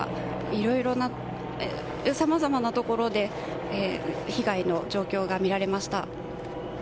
いろいろな、さまざまなところで被害の状況が見られました。